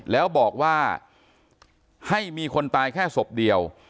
แล้วบอกว่าให้มีคนตายแค่ศพเดียว